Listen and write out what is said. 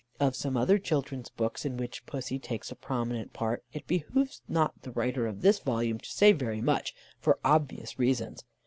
Of some other children's books, in which Pussy takes a prominent part, it behoves not the writer of this volume to say very much, for obvious reasons.